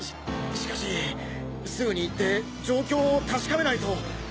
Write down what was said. ししかしすぐに行って状況を確かめないと。